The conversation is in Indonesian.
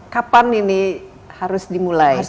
kapan ini harus dimulai